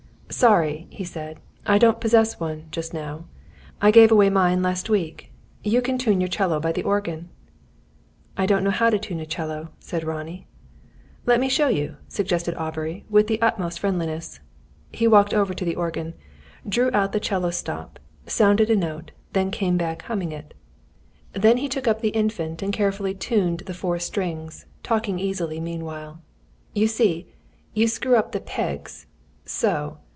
"Sorry," he said. "I don't possess one, just now. I gave away mine last week. You can tune your 'cello by the organ." "I don't know how to tune a 'cello," said Ronnie. "Let me show you," suggested Aubrey, with the utmost friendliness. He walked over to the organ, drew out the 'cello stop, sounded a note, then came back humming it. Then he took up the Infant and carefully tuned the four strings, talking easily meanwhile. "You see? You screw up the pegs so.